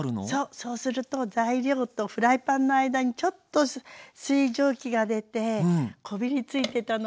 そうすると材料とフライパンの間にちょっと水蒸気が出てこびりついてたのがね